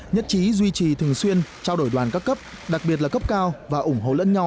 nhất trí duy trì thường xuyên trao đổi đoàn các cấp đặc biệt là cấp cao và ủng hộ lẫn nhau